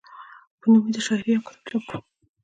پۀ نوم د شاعرۍ يو کتاب چاپ کړو،